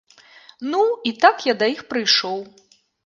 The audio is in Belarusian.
Ну і так я да іх прыйшоў.